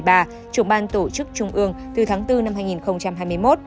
trưởng ban tổ chức trung ương từ tháng bốn năm hai nghìn hai mươi một